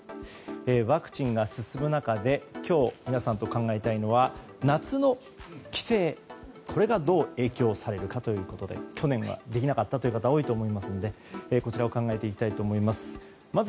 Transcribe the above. ワクチンが進む中で今日、皆さんと考えたいのは夏の帰省、これがどう影響されるかということで去年はできなかったという方も多いと思いますのでこちらを考えていきたいと思います。